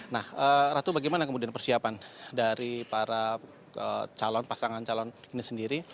nah ratu bagaimana kemudian persiapan dari para calon pasangan calon ini sendiri